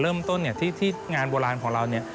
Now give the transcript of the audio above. เริ่มต้นเนี่ยที่งานโบราณของเราเนี่ย